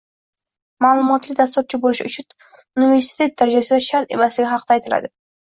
maʼlumotli dasturchi boʻlish uchun universitet darajasi shart emasligi haqida aytiladi.